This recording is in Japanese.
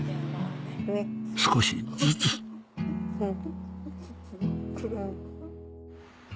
少しずつうん。